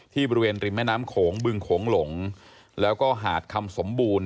บริเวณริมแม่น้ำโขงบึงโขงหลงแล้วก็หาดคำสมบูรณ